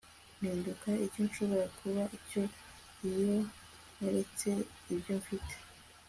mpinduka icyo nshobora kuba cyo iyo naretse ibyo mfite